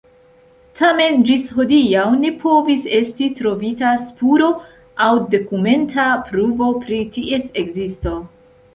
Tamen ĝis hodiaŭ ne povis esti trovita spuro aŭ dokumenta pruvo pri ties ekzisto.